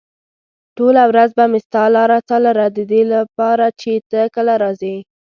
ټوله ورځ به مې ستا لاره څارله ددې لپاره چې ته کله راځې.